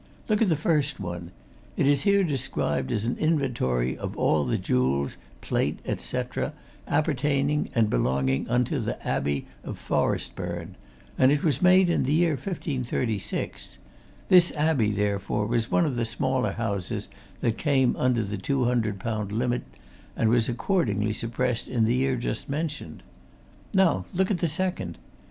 Look at the first one. It is here described as an inventory of all the jewels, plate, et cetera, appertaining and belonging unto the Abbey of Forestburne, and it was made in the year 1536 this abbey, therefore, was one of the smaller houses that came under the £200 limit and was accordingly suppressed in the year just mentioned. Now look at the second.